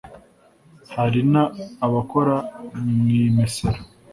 Hari n abakora mu imesero